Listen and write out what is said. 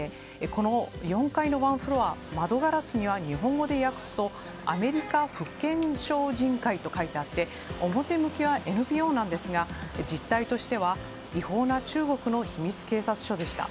この４階のワンフロア窓ガラスには日本語で訳すとアメリカ福建省人会と書いてあって表向きはＮＰＯですが実態としては違法な中国の秘密警察署でした。